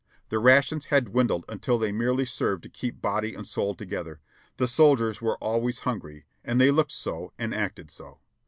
The rations had dwindled until they merely served to keep body and soul together. The soldiers were always hungry, and they looked so, and acted so.